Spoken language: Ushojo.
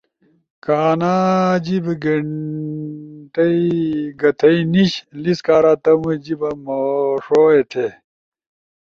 کہ آنا جیِب گتھئی نیِش لیس کارا تم جیِبا مُوݜو ایتھے۔